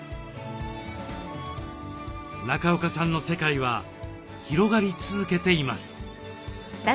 中岡さんの世界は広がり続けています。